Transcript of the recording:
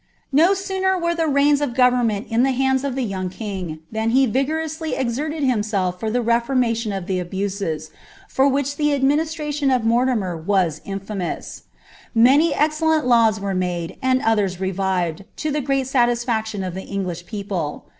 No sooner were the reins of government in the hands of tlie yoimg king, than he vigorously exerted himeelf for the refonnalion nf tht ahuseB, for which the adminislration of Mortimer was tnfumous; imnt excellent laws were made, and others revived, to the grenl satislaction of the English people.